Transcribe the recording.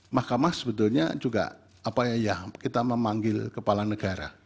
mahkamah sebetulnya juga apa ya kita memanggil kepala negara